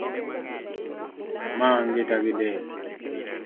Ma ngita gidel